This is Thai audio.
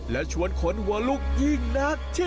และชวนคนหัวลูกยิ่งนักที่นี่